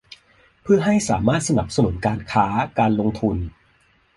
เพื่อให้สามารถสนับสนุนการค้า การลงทุน